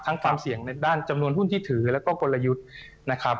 ความเสี่ยงในด้านจำนวนหุ้นที่ถือแล้วก็กลยุทธ์นะครับ